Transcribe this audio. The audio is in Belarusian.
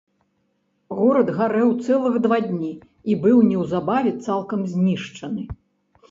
Горад гарэў цэлых два дня і быў неўзабаве цалкам знішчаны.